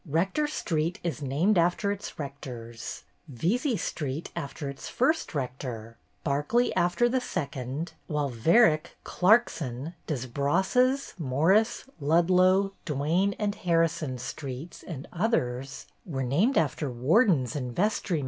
Rector Street is named after its rectors, Vesey Street after its first rector, Barclay after the second, while Varick, Clarkson, Desbrosses, Morris, Ludlow, Duane, and Harrison streets, and others, were named after wardens and vestrymen."